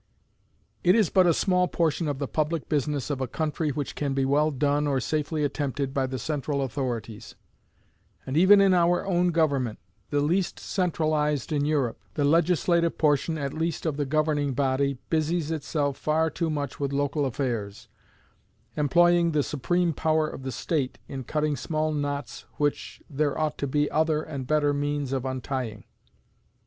It is but a small portion of the public business of a country which can be well done or safely attempted by the central authorities; and even in our own government, the least centralized in Europe, the legislative portion at least of the governing body busies itself far too much with local affairs, employing the supreme power of the State in cutting small knots which there ought to be other and better means of untying.